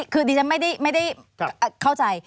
คือดิฉันไม่ได้เข้าใจ